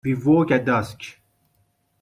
We woke at dusk.